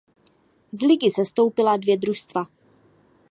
Z ligy sestoupila dvě družstva.